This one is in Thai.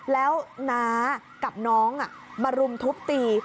แล้วน้ากับน้องมารุมทุบตี